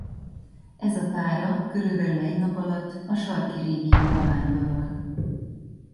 Ez a pára körülbelül egy nap alatt a sarki régióba vándorol.